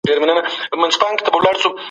الله دې موږ له دوزخه وساتي.